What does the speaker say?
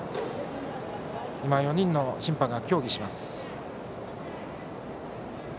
今、４人の審判が協議します。